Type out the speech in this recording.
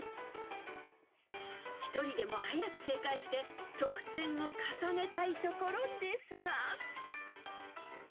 ［１人でも早く正解して得点を重ねたいところですが］